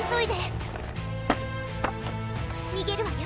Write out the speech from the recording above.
にげるわよ